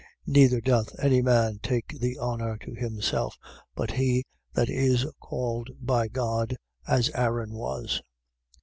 5:4. Neither doth any man take the honour to himself, but he that is called by God, as Aaron was.